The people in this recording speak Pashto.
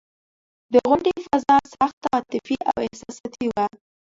د غونډې فضا سخته عاطفي او احساساتي وه.